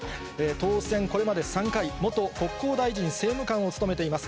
当選、これまで３回、元国交大臣政務官を務めています。